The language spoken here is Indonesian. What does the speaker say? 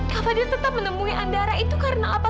kak fadil tetap menemui andara itu karena apa